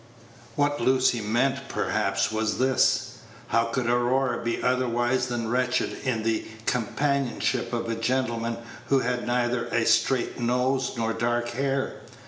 What Lucy meant perhaps was this. How could Aurora be otherwise than wretched in the companionship of a gentleman who had neither a straight nose nor dark hair.